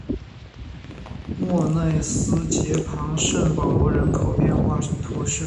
莫内斯捷旁圣保罗人口变化图示